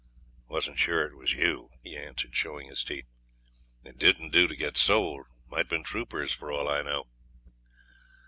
'Wasn't sure it was you,' he answered, showing his teeth; 'it don't do to get sold. Might been troopers, for all I know.'